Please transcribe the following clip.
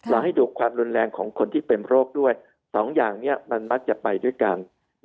ให้ดูความรุนแรงของคนที่เป็นโรคด้วย๒อย่างนี้มันมักจะไปด้วยกัน